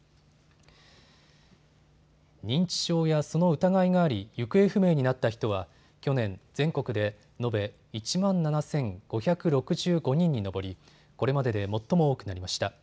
認知症やその疑いがあり行方不明になった人は去年、全国で延べ１万７５６５人に上りこれまでで最も多くなりました。